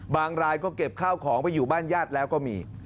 รายก็เก็บข้าวของไปอยู่บ้านญาติแล้วก็มี